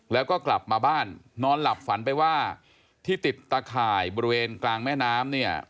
แล้วก็กลับมาบ้านนอนหลับฝันไปว่าที่ติดตะข่ายบริเวณกลางแม่น้ำเนี่ย